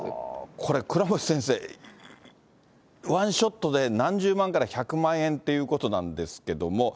これ、倉持先生、１ショットで何十万から１００万円ということなんですけれども。